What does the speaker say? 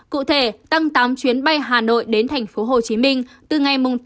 cụ thể tăng tám chuyến bay hà nội đến tp hcm từ ngày tám